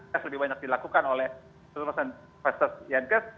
tes lebih banyak dilakukan oleh penurunan versus yang kes